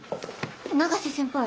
永瀬先輩